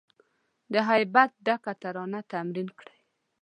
د هیبت ډکه ترانه تمرین کړی